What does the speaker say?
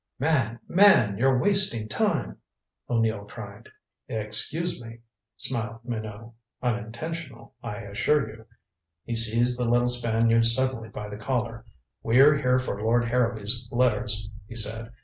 "Man! Man! You're wasting time," O'Neill cried. "Excuse me," smiled Minot. "Unintentional, I assure you." He seized the little Spaniard suddenly by the collar. "We're here for Lord Harrowby's letters," he said.